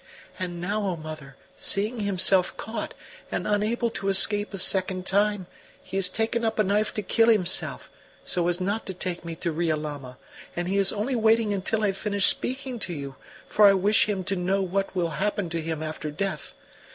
And now, O mother, seeing himself caught and unable to escape a second time, he has taken up a knife to kill himself, so as not to take me to Riolama; and he is only waiting until I finish speaking to you, for I wish him to know what will happen to him after death.